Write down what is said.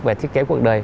về thiết kế cuộc đời